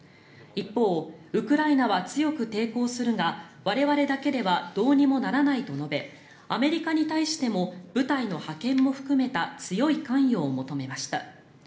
一方ウクライナは強く抵抗するが我々だけではどうにもならないと述べアメリカに対しても部隊の派遣も含めた強い関与を求めました。